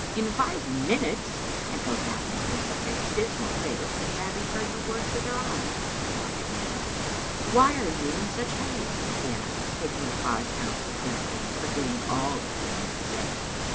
" In five minutes!" echoed Gavin, with such a dismal face that Babbie heard the words with her eyes, and dropped her hands. "Why are you in such haste?" he asked, taking the five pounds mechanically, and forgetting all that he had meant to say.